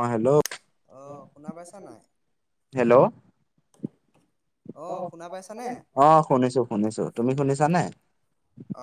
অ hello hello. অ শুনা পাইছানে? অঁ শুনিছোঁ শুনিছোঁ তুমি শুনিছা নে?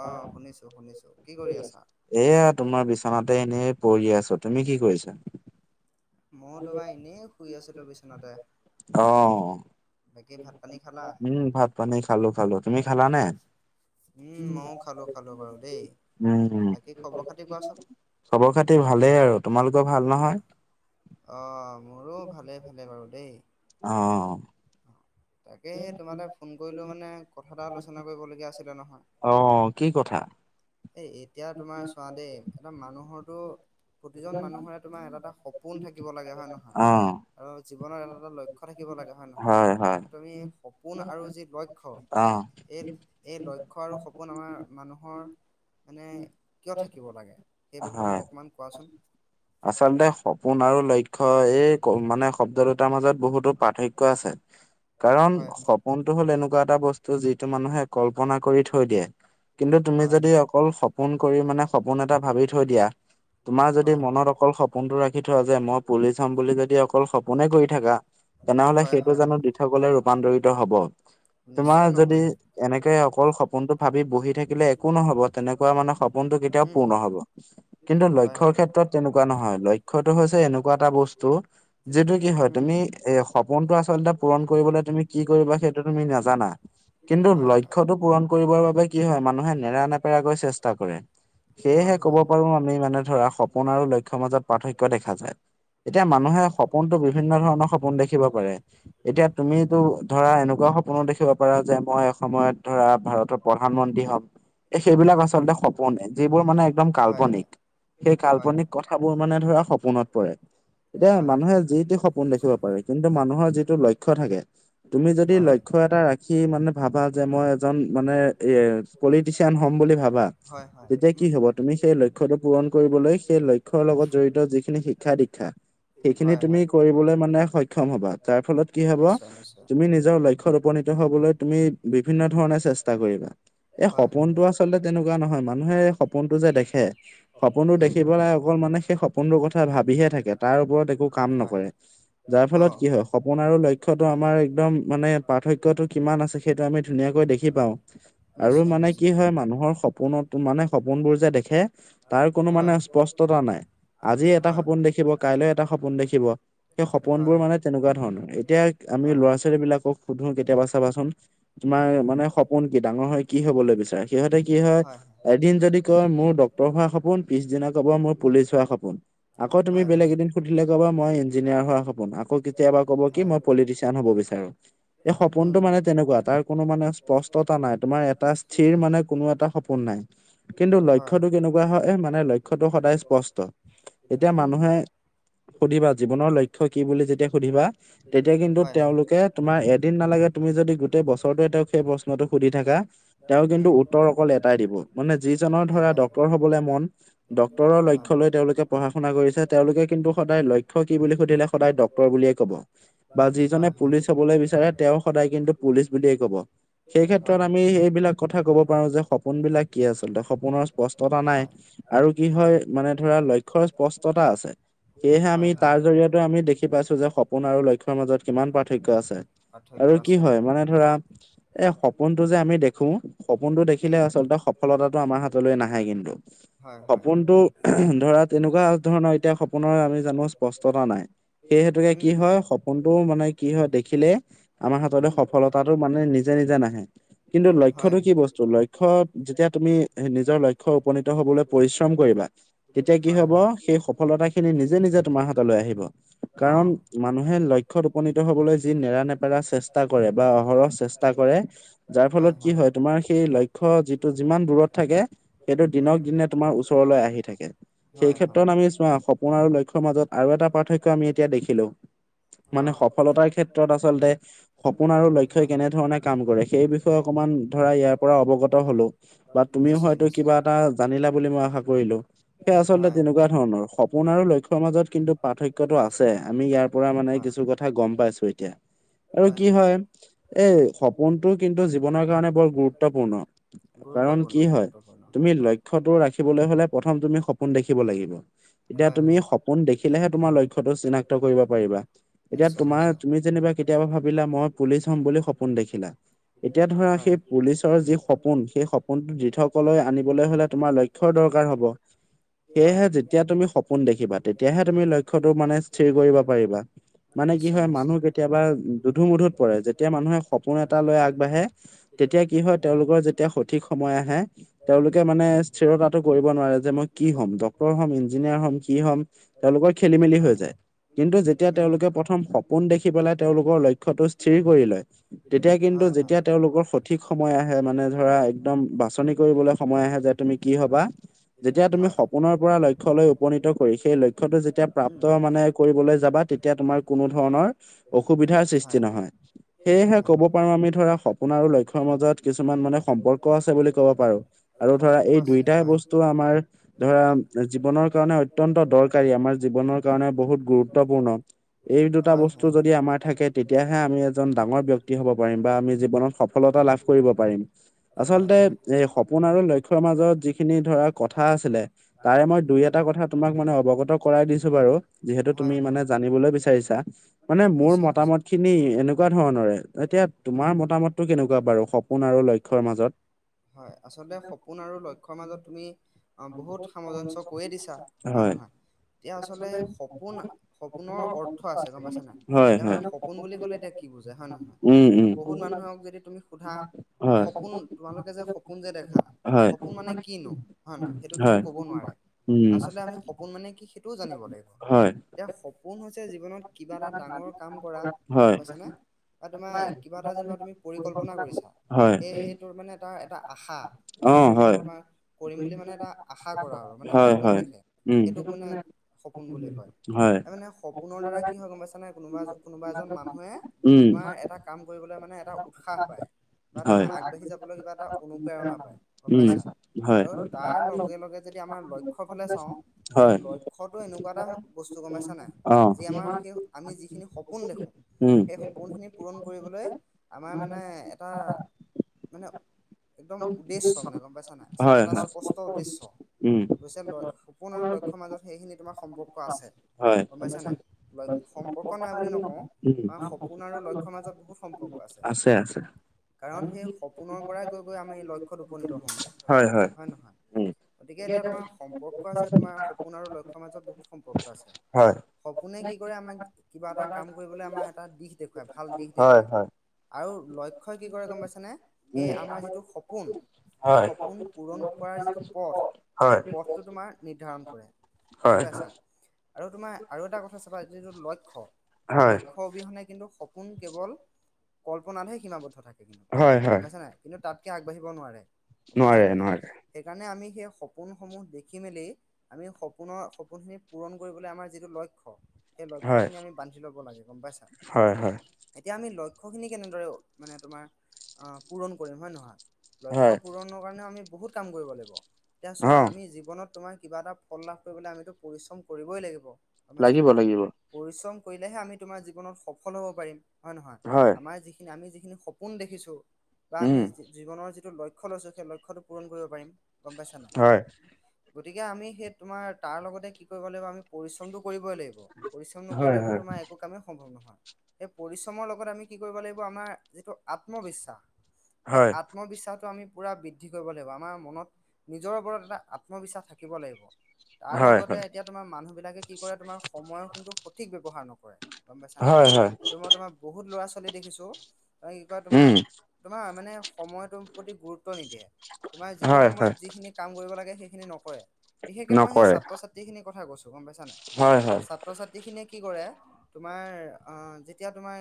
অ' শুনিছোঁ শুনিছোঁ কি কৰি আছা? এয়া তোমাৰ বিছনাতে এনেই পৰি আছোঁ তুমি কি কৰিছা? মইও তোমাৰ এনেই শুই আছোঁ তোৰ বিচনাতে। অহ। উম ভাত পানী খালোঁ-খালোঁ, তুমি খালা নে? উম উম। খবৰ খাতি ভালেই আৰু তোমালোকৰ ভাল নহয়? অ মোৰো ভালে-ভালে বাৰু দেই। অহ। তাকে সেই তোমালৈ ফোন কৰিলো মানে কথা এটা আলোচনা কৰিবলগীয়া আছিলে নহয়। অহ অহ কি কথা? এ এতিয়া তোমাৰ চোৱা দেই এই মানুহৰটো প্ৰতিজন মানুহৰে তোমাৰ এটা এটা সপোন থাকিব লাগে হয় নহয় আৰু জীৱনৰ এটা এটা লক্ষ্য থাকিব লাগে হয় নে নহয় তুমি সপোন আৰু যি লক্ষ্য এই এই লক্ষ্য আৰু সপোন আমাৰ মানুহৰ মানে কিয় থাকিব লাগে সেই বিষয়ে মোক অকমান কোৱাচোন? আচলতে সপোন আৰু লক্ষ্যয় এই ক মানে শব্দ দুটাৰ মাজত বহুতো পাৰ্থক্য আছে। [unintelligible] কাৰণ সপোনটো হ'ল এনেকুৱা এটা বস্তু যিটো মানুহে কল্পনা কৰি থৈ দিয়ে। কিন্তু তুমি যদি অকল সপোন কৰি মানে সপোন এটা ভাবি থৈ দিয়া তোমাৰ যদি মনত- অকল সপোনটো ৰাখি থোৱা যে মই পুলিচ হ'ম বুলি যদি অকল সপোনে কৰি থাকা- তেনে হ'লে সেইটো জানোঁ দিথকলে ৰূপান্তৰিত হ'ব। নিশ্চয় নহয়। এনেকে অকল সপোনটো ভাবি বহি থাকিলে একো নহ'ব। তেনেকুৱা মানুহৰ সপোনটো কেতিয়াও পূৰ নহ'ব। কিন্তু লক্ষ্যৰ ক্ষেত্ৰত তেনেকুৱা নহয়। লক্ষ্যটো হৈছে এনেকুৱা এটা বস্তু- যিটো কি হয় তুমি এ সপোনটো আচলতে পূৰণ কৰিবলে তুমি কি কৰিবা সেইটো তুমি নাজানা। কিন্তু লক্ষ্যটো পূৰণ কৰিবৰ বাবে কি হয় মানুহে নেৰা নেপেৰাকৈ চেষ্টা কৰে। হয়। ক'ব পাৰোঁ আমি মানে- ধৰা স পোন আৰু লক্ষ্যৰ মাজত পাৰ্থক্য দেখা যায়। এতিয়া মানুহে সপোনতো বিভিন্ন ধৰণৰ সপোন দেখিব পাৰে। এতিয়া তুমিতো ধৰা এনেকুৱা সপোনো দেখিব পাৰা যে মই এসময়ত ধৰা ভাৰতত- প্ৰধানমন্ত্ৰী হ'ম এই সেইবিলাক আচলতে সপোনে যিবোৰ মানে একদম কাল্পনিক। সেই কা ল্পনিক কথাবোৰ মানে ধৰা সপোনত পৰে। এতিয়া মানুহে যি টি সপোন দেখিব পাৰে কিন্তু মানুহৰ যিটো লক্ষ্য থাকে- তুমি যদি লক্ষ্য এটা ৰাখি মানে ভাবা যে মই এজন মানে এ- পলিটিচিয়ান হ'ম বুলি ভাবা তেতিয়া কি হ'ব তুমি সেই লক্ষ্যটো পূৰণ কৰিবলৈ- সেই লক্ষ্যৰ লগত জড়িত যিখিনি শিক্ষা দীক্ষা- সেইখিনি তুমি কৰিবলৈ মানে সক্ষম হ'বা। তাৰ ফলত কি হ'ব- তুমি নিজৰ লক্ষ্যত উপনীত হ'বলৈ তুমি বিভিন্ন ধৰণে চেষ্টা কৰিবা। এই সপোনটো আচলতে তেনেকুৱা নহয়। মানুহে এই সপোনটো যে দেখে সপোনটো দে খিব লাগে অকল মানে সেই সপোনটো কথা ভাবিহে থাকে তাৰ ওপৰত একো কাম নকৰে। যাৰ ফলত কি হয় সপোন আৰু লক্ষ্যতো আমাৰ একদম মানে পাৰ্থক্যটো কিমান আছে- সেইটো আমি ধুনীয়াকৈ দেখি পাওঁ আৰু মানে কি হয় মানুহৰ স সপোনত মানে সপোনবোৰ যে দেখে- হয়। [inaudible] তা নাই। আজি এটা সপোন দেখিব কাইলৈ এটা সপোন দেখিব- সেই সপোন বোৰ মানে তেনেকুৱা ধৰণৰ। এতিয়া আমি ল'ৰা-ছোৱালীৰ বিলাকক সুধোঁ কেতিয়াবা চাবাচোন। তোমাৰ মানে সপোন কি, ডাঙৰ হৈ কি হ'বলৈ বিচাৰে, সিহঁতে কি হয়- এদিন যদি কয় মোৰ ডক্তৰ হোৱা সপোন পিছদিনা- ক'ব মোৰ পুলিচ হোৱা সপোন আকৌ তুমি বেলেগ এদিন সুধিলে ক'ব মই ইঞ্জিনিয়াৰ হোৱা সপোন আকৌ- কেতিয়াবা ক'ব কি মই পলিটিচিয়ান হ'ব বিচাৰোঁ। এই সপোনটো মানে তেনেকুৱা তাৰ কোনো মানে- স্পষ্টতা নাই, তোমাৰ এটা স্থিৰ মানে কোনো এটা সপোন নাই কিন্তু লক্ষ্যটো কেনেকুৱা- হয় মানে লক্ষ্যটো সদায় স্পষ্ট। এতিয়া মানুহে- সুধিবা জীৱনৰ লক্ষ্য কি বুলি যেতিয়া সুধিবা তেতিয়া কিন্তু তেওঁলোকে- তোমাৰ এদিন নালাগে তুমি যদি গোটেই বছৰটোৱে তেওঁক সেই প্ৰশ্নটো সুধি থাকা তেওঁ কিন্তু উত্তৰ- অকল এটাই দিব মানে যিজনৰ ধৰা ডক্টৰ হ'বলৈ মন- ডক্টৰৰ লক্ষ্য লৈ তেওঁলোকে পঢ়া শুনা কৰিছে, তেওঁলোকে কিন্তু সদায় লক্ষ্য কি বুলি সুধিলে সদায় ড- ক্টৰ বুলিয়ে ক'ব বা যিজনে পুলিচ হ'বলৈ বিচাৰে তেওঁ সদায় কিন্তু পুলিচ বুলিয়ে ক'ব। সেই ক্ষেত্ৰত আমি এইবিলাক কথা ক'ব পাৰোঁ যে সপোন বিলাক কি আচলতে, সপোনৰ স্পষ্টতা নাই। টো কি হয় মানে ধৰা লক্ষ্যৰ স্পষ্টতা আছে। সেয়েহে আমি তাৰ জৰিয়তে আমি দেখি পাইছো যে সপোন আৰু লক্ষ্যৰ মাজত কিমান পাৰ্থক্য আছে। আৰু কি হয় মানে ধৰা এ সপোনটো যে আমি দেখো সপোনটো দেখিলে আচ আচলতে সফলতাটো আমাৰ হাতলৈ নাহে কিন্তু। সপোনটো ধৰা তেনেকুৱা ধৰণৰ এতিয়া সপোনৰ আমি জানো স্পষ্টতা নাই। সেই হেতুকে কি হয় সপোনটো মানে কি হয় দেখিলে আমাৰ হাতলে সফল তাতো মানে নিজে নিজে নাহে কিন্তু লক্ষ্যটো কি বস্তু লক্ষ্যত যেতিয়া তুমি নিজৰ ল লক্ষ্য উপনীত হবলৈ পৰিশ্ৰম কৰিবা। তেতিয়া কি হ'ব সেই সফলতা খিনি নিজে নিজে তোমাৰ হাতলৈ আহিব। কাৰণ মানুহে লক্ষ্যত উপনীত হবলৈ যি নেৰা নেপেৰা চেষ্টা কৰে বা অহৰহ চেচ টা কৰে যাৰ ফলত কি হয় তোমাৰ সেই লক্ষ্য যিটো যিমান দূৰত থাকে। উম। তোমাৰ ওচৰলৈ আহি থাকে। সেই ক্ষেত্ৰত আমি চোৱা সপোন আৰু লক্ষ্যৰ মাজত আৰু এটা পাৰ্থক্য আমি এতিয়া দেখিলো। মানে সফলতাৰ ক্ষেত্ৰত আচলতে সপোন আৰু লক্ষ্যই কেনেধৰণে কাম কৰে সেই বিষয়ে অকমান ধৰা ইয়াৰ পৰা অৱগত হলো। বা তুমিও হয়তো কিবা এটা জানিলে। বুলি মই আশা কৰিলো সেই আচলতে তেনেকুৱা ধৰণৰ সপোন আৰু লক্ষ্যৰ মাজত কিন্তু পাৰ্থক্যটো আছে আমি ইয়াৰ পৰা মানে কিছু কথা গম পাইছো এতিয়া। আৰু কি হয় এই সপোনটো কিন্তু জীৱনৰ কাৰণে বৰ গুৰুত্বপূৰ্ণ। গুৰুত্বপূৰ্ণ গুৰুত্বপূৰ্ণ। তুমি লক্ষ্যটো ৰাখিবলৈ হ'লে প্ৰথম তুমি সপোন দেখিব লাগিব। এতিয়া তুমি সপোন দেখিলেহে তোমাৰ লক্ষ্যটো চিনাক্ত কৰিব পাৰিবা। এতিয়া তোমাৰ তুমি যেনিবা কেতিয়াবা ভাবিলা মই পুলিচ হম বুলি সপোন দেখিলা। এতিয়া ধৰা সেই পুলিচৰ যি সপোন সেই সপোনটো দিঠকলৈ আনিবলৈ হ'লে তোমাৰ লক্ষ্যৰ দৰকাৰ হ'ব। সেয়েহে যেতিয়া তুমি সপোন দেখিবা তেতিয়াহে তুমি লক্ষ্যটো মানে স্থিৰ কৰিব পাৰিবা। মানে কি হয় মানুহ কেতিয়াবা দুধুৰ মুধুৰত পৰে, যেতিয়া মানুহে সপোন এটা লৈ আগবাঢ়ে তেতিয়া কি হয় তেওঁলোকৰ যেতিয়া সঠিক সময় আহে তেওঁলোকে মানে স্থিৰতাটো কৰিব নোৱাৰে যে মই কি হ'ম ডক্টৰ হ'ম, ইঞ্জিনিয়াৰ হ'ম কি হ'ম। তেওঁলোকৰ খেলি মেলি হৈ যায়। কিন্তু যেতিয়া তেওঁলোকে প্ৰথম সপোন দেখি পেলাই তেওঁলোকৰ লক্ষ্যটো স্থিৰ কৰি লয়। তেতিয়া কিন্তু যেতিয়া তেওঁলোকৰ সত ঠিক সময় আহে মানে ধৰা একদম বাছনি কৰিবলৈ সময় আহে যে তুমি কি হবা যেতিয়া তুমি সপোনৰ পৰা লক্ষ্য লৈ উপনীত কৰি সেই লক্ষ্যটো যেতিয়া প্ৰাপ্ত মানে কৰিবলৈ যাবা তেতিয়া তোমাৰ কোনো ধৰণৰ অসুবিধাৰ সৃষ্টি নহয় সেয়হে ক'ব পাৰো আমি ধৰা সপোন আৰু লক্ষ্যৰ মাজত কিছুমান মানে সম্পৰ্ক আছে বুলি ক'ব পাৰো। আৰু ধৰা এই দুইটাই বস্তু আমাৰ ধৰা জীৱনৰ কাৰণে অত্যন্ত দৰকাৰী আমাৰ জীৱনৰ কাৰণে বহুত গুৰুত্বপূৰ্ণ। এই দুটা বস্তু যদি আমাৰ থাকে তেতিয়াহে আমি এজন ডাঙৰ ব্যক্তি হ'ব পাৰিম বা আমি জীৱনত সফলতা লাভ কৰিব পাৰিম আচলতে এই সপোন আৰু লক্ষ্য লক্ষ্যৰ মাজত যিখিনি ধৰা কথা আছিলে তাৰে মই দুই এটা কথা তোমাক মানে অৱগত কৰাই দিছো বাৰু। যিহেতু তুমি মানে জানিবলৈ বিচাৰিছা মানে মোৰ মতামত খিনি এনেকুৱা ধৰণৰে এতিয়া তোমাৰ মতামতটো কেনেকুৱা বাৰু সপোন আৰু লক্ষ্যৰ মাজত? হয়, আচলতে সপোন আৰু লক্ষ্য ৰ মাজত তুমি আহ বহুত সামঞ্জস্য কৈয়ে দিছা হয় নহয়। এতিয়া আচলতে সপোন সপোনৰ অৰ্থ আছে গম পাইছে না এতিয়া মানে, সপোন বুলি ক'লে এতিয়া কি বুজে হয় ন নহয় বহুত মানুহক যদি তুমি সোধা সপোন তোমালোকে যে, সপোন যে দেখা সপোন মানে কিনো হয় নহয় সেইটো কিন্তু ক'ব নোৱাৰে আচলতে আমি। সপোন মানে কি সেইটোও জানিব লাগিব। এতিয়া সপোন হৈছে জীৱনত কিবা এটা ডাঙৰ কাম কৰা গম পাইছানে। বা তোমাৰ কিবা এটা যেনিবা তুমি পৰিকল্পনা কৰিছা এই সেইটোৰ মানে তাৰ এটা আশা। মানে সেইটো মই তোমাৰ কৰিম বুলি মানে এটা আশা কৰা আৰু মানে সপোন দেখে সেইটোক মানে। সপোন বুলি কয় তাৰ মানে সপোনৰ দ্বাৰা কি হয় গম পাইছানে কোনোবা কোনোবা এজন মানুহে, তোমাৰ এটা কাম কৰিবলৈ মানে এটা উৎসাহ পায় বা তোমাৰ আগবাঢ়ি যাবলৈ কিবা এটা, অনুপ্ৰেৰণা পায়। গম পাইছা আৰু তাৰ লগে লগে যদি আমাৰ লক্ষ্যৰ ফালে চাওঁ তেনে লক্ষ্যটো এনেকুৱা এটা, বস্তু গম পাইছা নাই যি আমাৰ সেই আমি যিখিনি সপোন দেখোঁ। সেই সপোনখিনি পূৰণ কৰিবলৈ আমাৰ মানে এটা মানে, একদম উদ্দেশ্য মানে গম পাইছা নাই এটা স্পষ্ট উদ্দেশ্য হৈছে ল সপোন আৰু লক্ষ্যৰ মাজত সেইখিনি তোমাৰ সম্পৰ্ক আছে। গম পাইছা নাই ল সম্পৰ্ক নাই বুলি নকওঁ। আমাৰ সপোন আৰু লক্ষ্যৰ মাজত বহুত সম্পৰ্ক আছে। কাৰণ সেই সপোনৰ পৰাই গৈ গৈ আমি লক্ষ্যত উপনীত হওঁগৈ হয় হয় নহয়। গতিকে এতিয়া তোমাৰ সম্পৰ্ক আছে তোমাৰ সপোন আৰু লক্ষ্যৰ মাজত বহুত সম্পৰ্ক আছে। সপোনে কি কৰে আমাক কিবা এটা কাম কৰিবলৈ আমাৰ এটা দিশ দেখুৱায় ভাল দিশ দেখুৱায়। আৰু লক্ষ্যই কি কৰে গম পাইছেনে এই আমাৰ যিটো সপোন। সেই সপোন পূৰণ কৰাৰ যিটো পথ সেই পথটো তোমাৰ নিৰ্ধাৰণ কৰে। বুজি পাইছা আৰু তোমাৰ আৰু এটা কথা চাবা যিটো লক্ষ্য লক্ষ্য, অবিহনে কিন্তু সপোন কেৱল কল্পনাতহে সীমাবদ্ধ থাকে কিন্তু গম পাইছা নাই। কিন্তু তাতকৈ আগবাঢ়িব নোৱাৰে গম পাইছা নাই। সেইকাৰণে আমি সেই সপোনসমূহ দেখি মেলি। আমি সপোনৰ সপোনখিনি পূৰণ কৰিবলৈ আমাৰ যিটো লক্ষ্য। সেই লক্ষ্যখিনি আমি বান্ধি ল'ব লাগে গম পাইছা। এতিয়া আমি লক্ষ্যখিনি কেনেদৰে মানে তোমাৰ পূৰণ কৰিম হয় নহয়। লক্ষ্য পূৰণৰ কাৰণেও আমি বহুত কাম কৰিব লাগিব এতিয়া চোৱা আমি জীৱনত তোমাৰ কিবা এটা, ফল লাভ কৰিবলৈ আমিতো পৰিশ্ৰম কৰিবই লাগিব গম পাইছা নাই। পৰিশ্ৰম কৰিলেহে আমি তোমাৰ জীৱনত সফল হ'ব পাৰিম হয় নহয় আমাৰ যি, আমি যিখিনি সপোন দেখিছো বা আমি। নৰ যিটো লক্ষ্য লৈছোঁ সেই লক্ষ্যটো পূৰণ কৰিব পাৰিম গম পাইছা নাই। গতিকে আমি সেই তোমাৰ তাৰ লগতে কি কৰিব লাগিব আমি পৰিশ্ৰমটো কৰিবই লাগিব। পৰিশ্ৰম নকৰিলোতো তোমাৰ এ একো কামেই সম্ভৱ নহয় সেই পৰিশ্ৰমৰ লগত আমি কি কৰিব লাগিব আমাৰ যিটো আত্মবিশ্বাস। সেই আত্মবিশ্বাসটো আমি পুৰা বৃদ্ধি কৰিব লাগিব আমাৰ মনত, নিজৰ ওপৰত এটা আত্মবিশ্বাস থাকিব লাগিব। তাৰ লগতে এতিয়া তোমাৰ মানুহবিলাকে কি কৰে তোমাৰ সময়ৰ কিন্তু সঠিক ব্যৱহাৰ নকৰে। গম পাইছা নাই সেইটো মই তোমাৰ বহুত ল'ৰা ছোৱালী দেখিছোঁ ত কি কয় তোমাৰ। তোমাৰ মানে সময়টোৰ প্ৰতি গুৰুত্ব নিদিয়ে তোমাৰ যিটো সময়ত যিখিনি। কৰিব লাগে সেইখিন নকৰে বিশেষকে মই সেই ছাত্ৰ ছাত্ৰীৰ, যি খিনি কথা কৈছো গম পাইছা নাই ছাত্ৰ ছাত্ৰী, তি খিনিয়ে কি কৰে তোমাৰ আ যেতিয়া তোমাৰ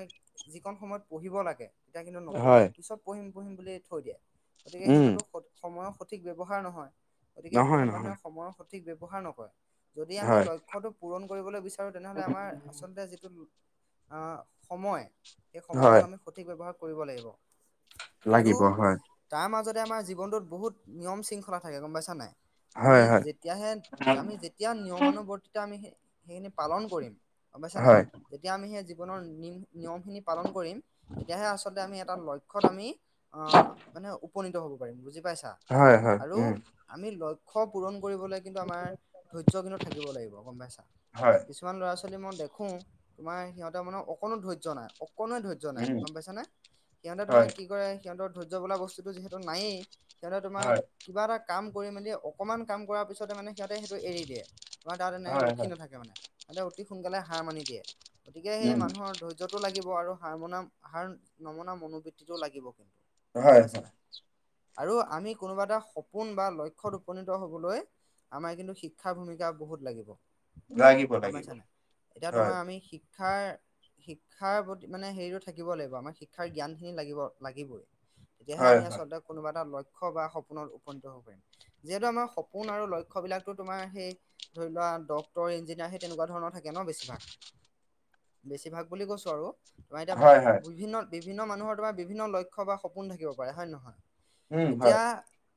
যিকণ সময়ত পঢ়িব লাগে- তেতিয়া কিন্তু নপঢ়ে, পিছত পঢ়িম পঢ়িম বুলি থৈ দিয়ে। গতিকে সেইটোতো সত সময়ৰ সঠিক ব্যৱহাৰ নহয় গতিকে বহুত মানুহে সময়ো সঠিক ব্যৱহাৰ নকৰে। যদি আমি লক্ষ্যটো পূৰণ কৰিবলৈ বিচাৰোঁ তেনেহ'লে আমাৰ আচলতে যিটো- আ সময় এই সময়টোক আমি সঠিক ব্যৱহাৰ কৰিব লাগিব। আৰু তাৰ মাজতে আমাৰ জীৱনটোত বহুত নিয়ম শৃংখলা থাকে গম পাইছা নাই। আমি যেতিয়াহে আমি যেতিয়া নিয়মানুবৰ্তিতা আমি- সেইখিনি পালন কৰিম গম পাইছা নাই- যেতিয়া আমি সেই জীৱনৰ নিম নিয়মখিনি পালন কৰিম তেতিয়াহে আচলতে আমি এটা লক্ষ্যত আমি- অ মানে উপনীত হব পাৰিম বুজি পাইছা। হয় হয় উম আমি লক্ষ্য পূৰণ কৰিবলৈ কিন্তু আমাৰ ধৈৰ্য্য কিন্তু থাকিব লাগিব গম পাইছা। ইচ কিছুমান ল'ৰা ছোৱালী মই দেখো, তোমাৰ সিহঁতৰ মানে অকণো ধৈৰ্য নাই অকণো ধৈৰ্ ৰ্য্য নাই গম পাইছ নে, সিহঁতে তোমাৰ কি কৰে সিহঁতৰ ধৈৰ্য বোলা বস্তুটো যিহেতু নায়েই- সিহঁতে তোমাৰ কিবা এটা কাম কৰি মেলি অকণমান কাম কৰাৰ পিছতে মানে সিহঁতে সেইটো এৰি দিয়ে। বা তাত এনেকে ৰখি নাথাকে মানে তাতে অতি সোনকালে সাৰ মানি দিয়ে, গতিকে সেই মানুহৰ ধৈ ৰ্য্যটো লাগিব আৰু হাৰ মনা হাৰ নমনা মনোবৃত্তিটো লাগিব কিন্তু। গম পাইছা নাই আৰু আমি কোনোবা এটা সপোন বা লক্ষ্যত উপনীত হবলৈ- আমাৰ কিন্তু শিক্ষাৰ ভূমিকা বহুত লাগিব গম পাইছা নাই, এতিয়া তোমাৰ আমি শিক ক্ষাৰ শিক্ষাৰ প্ৰতি মানে হেৰিটো থাকিব লাগিব আমাৰ শিক্ষাৰ জ্ঞানখিনি লাগিব লাগিবই। তেতিয়াহে আমি আচলতে কোনোবা এটা লক্ষ্য বা সপোনত উপনীত হ'ব পাৰিম। যিহেতু আমাৰ সপোন আৰু লক্ষ্যবিলাকটো তোমাৰ সেই- ধৰি লোৱা ডক্টৰ, ইঞ্জিনিয়াৰ সেই তেনেকুৱা ধৰণৰ থাকে ন বেছিভাগ। বেছিভাগ বুলি কৈছোঁ আৰু। তোমাৰ এতিয়া বিভিন্ন বিভিন্ন মানুহৰ তোমাৰ বিভিন্ন লক্ষ্য বা সপোন থাকিব পাৰে হয় নহয়। এতিয়া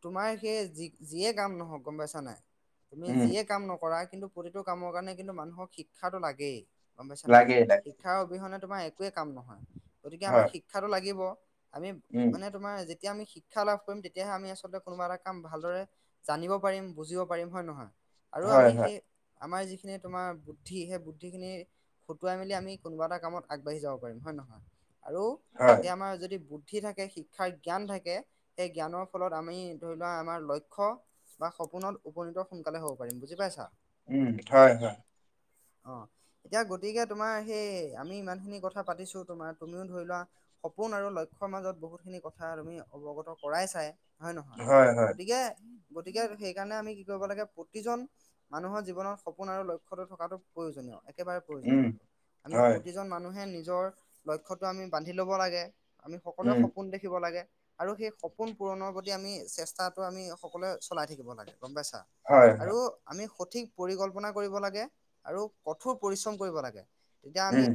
তোমাৰ সেই যি যিয়ে কাম নহওক গম পাইছা নাই- তুমি যিয়ে কাম নকৰা কিন্তু প্ৰতিটো কামৰ কাৰণে কিন্তু মানুহক শিক্ষাটো লাগেই। গম পাইছা নাই, শিক্ষাৰ অবিহনে তোমাৰ একোৱেই কাম নহয়। গতিকে আমাৰ শিক ক্ষাটো লাগিব, আমি- উম তোমাৰ যেতিয়া আমি শিক্ষা লাভ কৰিম তেতিয়াহে আমি আচলতে কোনোবা এটা কাম ভালদৰে- জানিব পাৰিম, বুজিব পাৰিম হয় নহয় আৰু আমি সে আমাৰ যিখিনি তোমাৰ বুদ্ধি সেই বুদ্ধিখিনি- খটুৱাই মেলি আমি কোনোবা এটা কামত আগবাঢ়ি যাব পাৰিম হয় নহয় আৰু- এই আমাৰ যদি বুদ্ধি থাক সেই শিক্ষাৰ জ্ঞান থাকে, সেই জ্ঞানৰ ফলত আমি ধৰি লোৱা আমাৰ লক্ষ্য- বা সপোনত উপনীত সোনকালে হ'ব পাৰিম, বুজি পাইছা। উম' হয়-হয়। অ এতিয়া গতিকে তোমাৰ সেই আমি ইমানখিনি কথা পাতিছো তোমাৰ, তুমিও ধৰি লোৱা- সপোন আৰু লক্ষ্যৰ মাজত- বহুতখিনি কথা তুমি অৱগত কৰাইছাই, হয় নহয়, গতিকে- গতিকে, সেইকাৰণে আমি কি কৰিব লাগে প্ৰতিজন- মানুহৰ জীৱনত সপোন আৰু লক্ষ্যটো থকাটো প্ৰয়োজনীয়। একেবাৰে প্ৰয়োজনীয়, আমি প্ৰতিজন মানুহে নিজৰ লক্ষ্যটো আমি বান্ধি ল'ব লাগে। আমি সকলোৱে সপোন দেখিব লাগে, আৰু সেই সপোন পূৰণৰ প্ৰতি আমি চেষ্টাটো আমি সকলোৱে চলাই থাকিব লাগে, গম পাইছা? আৰু আমি সঠিক পৰিকল্পনা কৰিব লাগে, আৰু কঠোৰ পৰিশ্ৰম কৰিব লাগে। তেতিয়া আমি